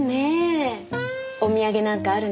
お土産なんかあるのかしら？